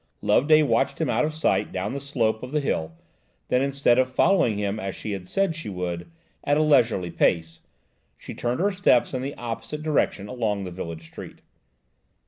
Loveday watched him out of sight down the slope of the hill, then, instead of following him as she had said she would "at a leisurely pace," she turned her steps in the opposite direction along the village street.